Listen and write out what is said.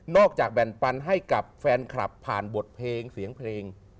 จากแบ่งปันให้กับแฟนคลับผ่านบทเพลงเสียงเพลง